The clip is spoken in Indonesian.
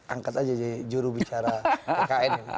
angkat saja jadi jurubicara tkn ini